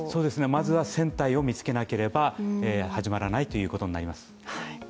まずは船体を見つけなければ始まらないということになります。